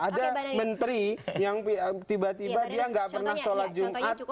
ada menteri yang tiba tiba dia nggak pernah sholat jumat